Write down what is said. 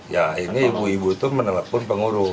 ya ini ibu ibu itu menelpon pengurus